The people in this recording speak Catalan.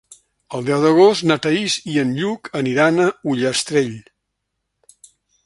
El deu d'agost na Thaís i en Lluc aniran a Ullastrell.